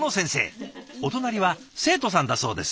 お隣は生徒さんだそうです。